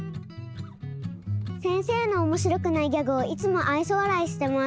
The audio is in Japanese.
先生のおもしろくないギャグをいつもあいそわらいしてます。